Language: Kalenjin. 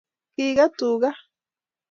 kikee tuga